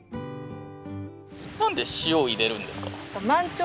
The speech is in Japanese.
なんで塩を入れるんですか？